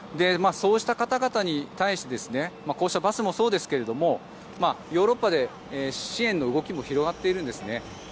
そうした方々に対してこうしたバスもそうですがヨーロッパで支援の動きも広がっているんです。